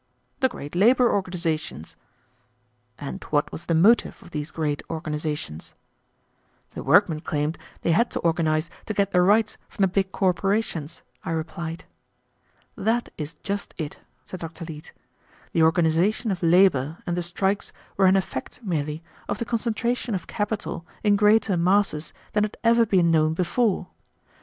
"The great labor organizations." "And what was the motive of these great organizations?" "The workmen claimed they had to organize to get their rights from the big corporations," I replied. "That is just it," said Dr. Leete; "the organization of labor and the strikes were an effect, merely, of the concentration of capital in greater masses than had ever been known before.